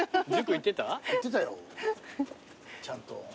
行ってたよちゃんと。